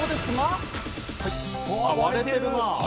割れてるな。